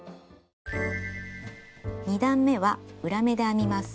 ２段めは裏目で編みます。